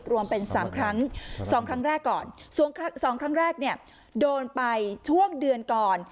รวมเป็น๓ครั้งสองครั้งแรกก่อน๒ครั้งแรกเนี่ยโดนไปช่วงเดือนก่อน